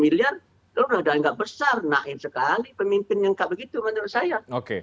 naib sekali pemimpin yang enggak begitu menurut saya